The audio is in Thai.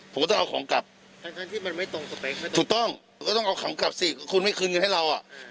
ผมก็ต้องเอาของกลับถูกต้องผมก็ต้องเอาของกลับสิคุณไม่คืนกันให้เรา